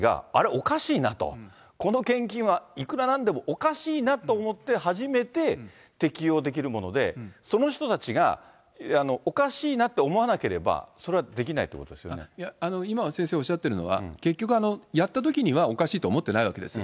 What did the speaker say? おかしいなと、この献金はいくらなんでもおかしいなと思って初めて適用できるもので、その人たちがおかしいなって思わなければ、それはできないってこいや、今先生おっしゃっているのは、結局、やったときにはおかしいと思ってないわけです。